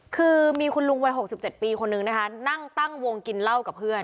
คือมีคุณลุงวัย๖๗ปีคนนึงนะคะนั่งตั้งวงกินเหล้ากับเพื่อน